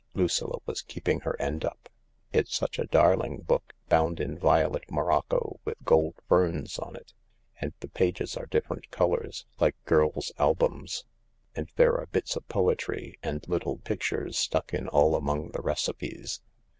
Lucilla was keeping her end up. " It's such a darling book, bound in violet morocco with gold ferns on it, and the pages are different colours— like girls' albums— and there are bits of poetry and little pictures stuck in all among the recipes.